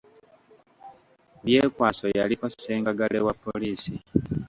Byekwaso yaliko ssenkaggale wa poliisi.